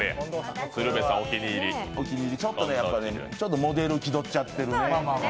ちょっとモデル気取っちゃってるね。